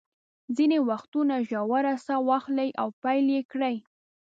ځینې وختونه ژوره ساه واخلئ او پیل یې کړئ.